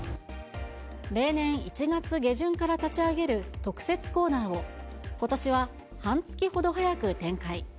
例年１月下旬から立ち上げる特設コーナーを、ことしは半月ほど早く展開。